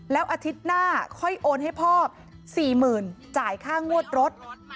แล้วอาทิตย์หน้าค่อยโอนให้พ่อ๔๐๐๐จ่ายค่างวดรถ